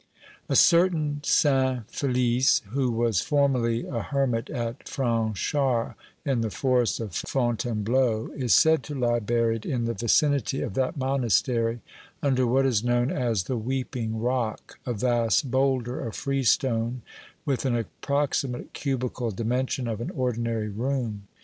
A certain Saint Felix, who was formerly a hermit at Franchart in the forest of Fontainebleau, is said to lie buried in the vicinity of that monastery, under what is known as the weeping rock, a vast boulder of freestone, with an approximate cubical dimension of an ordinary room.